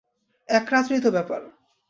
এক রাতেরই তো ব্যাপার।